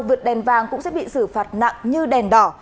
vượt đèn vàng cũng sẽ bị xử phạt nặng như đèn đỏ